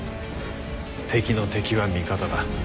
敵の敵は味方だ。